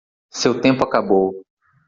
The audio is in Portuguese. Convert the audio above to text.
Seu tempo acabou